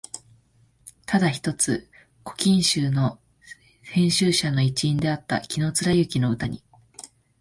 ただ一つ「古今集」の編集者の一員であった紀貫之の歌に、